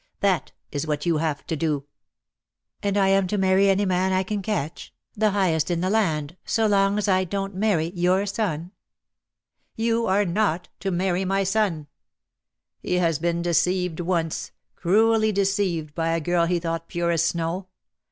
That is what you have to do." "And I am to marry any man I can catch, the 176 DEAD LOVE HAS CHAINS. highest in the land, so long as I don't marty your son?" "You are not to marry my son. He has been deceived once, cruelly deceived by a girl he thought pure as snow.